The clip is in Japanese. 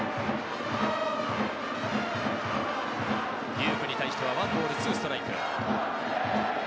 龍空に対しては１ボール２ストライク。